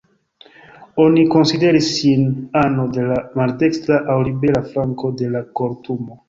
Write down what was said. Oni konsideris ŝin ano de la "maldekstra" aŭ "liberala" flanko de la Kortumo.